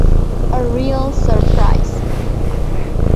A real surprise.